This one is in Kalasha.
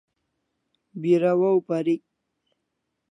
Bira waw parik